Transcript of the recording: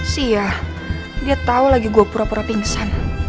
siah dia tau lagi gua pura pura pingsan